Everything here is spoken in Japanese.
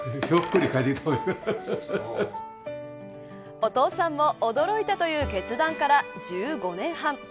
お父さんも驚いたという決断から１５年半。